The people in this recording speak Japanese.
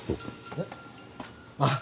えっ？あっ。